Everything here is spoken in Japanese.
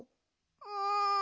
うん。